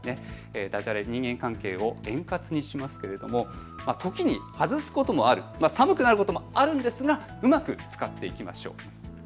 人間関係を円滑にしますけどときに外すこともある、寒くなることもあるんですがうまく使っていきましょう。